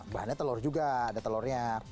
bahannya telur juga ada telurnya